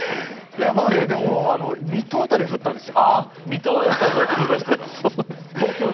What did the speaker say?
でも、水戸辺りは降ったんですよ。